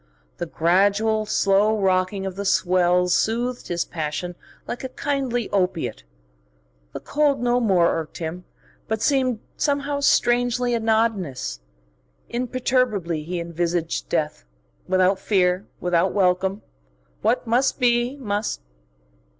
The gradual, slow rocking of the swells soothed his passion like a kindly opiate. The cold no more irked him, but seemed somehow strangely anodynous. Imperturbably he envisaged death, without fear, without welcome. What must be, must....